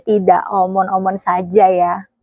tidak omon omon saja ya